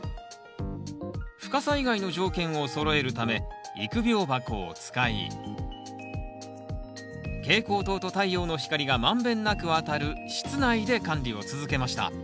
深さ以外の条件をそろえるため育苗箱を使い蛍光灯と太陽の光が満遍なく当たる室内で管理を続けました。